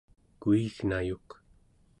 kuignayuk